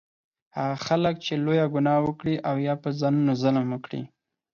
هغه خلک چې لویه ګناه وکړي او یا په ځانونو ظلم وکړي